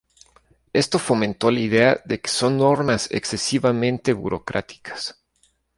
Esto fomentó la idea de que son normas excesivamente burocráticas.